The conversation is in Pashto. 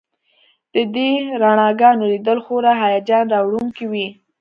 د دې رڼاګانو لیدل خورا هیجان راوړونکي وي